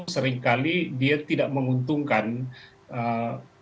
seringkali dia tidak menguntungi kekuasaan